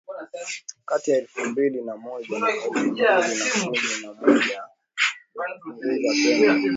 kati ya elfu mbili na moja na elfu mbili na kumi na moja na kupunguza pengo